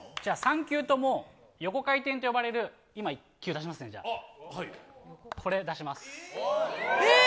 ３球とも横回転と呼ばれる今、１球出しますね